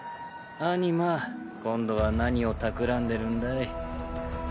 アニマ今度は何をたくらんでるんだい？